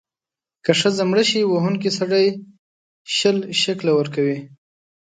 که ښځه مړه شي، وهونکی سړی شل شِکِله ورکړي.